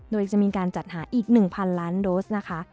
โดยจะมีการจัดหาอีก๑๐๐ล้านโดสนะคะ